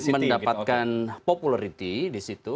mendapatkan popularity disitu